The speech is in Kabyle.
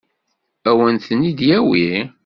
Ad wen-ten-id-yawi?